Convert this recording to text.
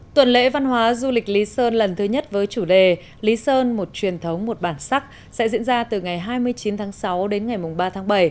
tuần lễ văn hóa du lịch lý sơn lần thứ nhất với chủ đề lý sơn một truyền thống một bản sắc sẽ diễn ra từ ngày hai mươi chín tháng sáu đến ngày ba tháng bảy